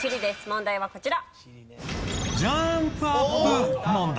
問題はこちら。